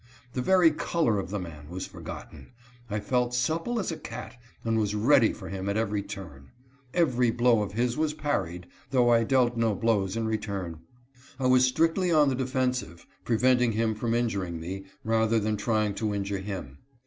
The very fr.lor of the man wag_ forgotten. I felt supple as a cat, and was ready for him at every turn. Every blow of his was parried, though I 174 TOO MUCH FOR COVEY. dealt no blows in return. I was strictly on the defensive, preventing him from injuring me, rather than trying to injure him.